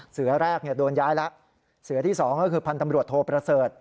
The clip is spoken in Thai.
เสือแรกเนี่ยโดนย้ายแล้วเสือที่สองก็คือพันธ์ตำรวจโทประเสริฐ